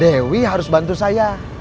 dewi harus bantu saya